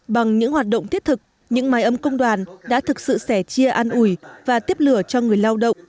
bằng những hoạt động thiết thực những máy ấm công đoàn đã thực sự sẻ chia an ủi và tiếp lửa cho người lao động